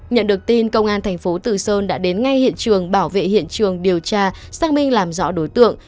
nhận được tin công an thành phố từ sơn đã đến ngay hiện trường bảo vệ hiện trường điều tra xác minh làm rõ đối tượng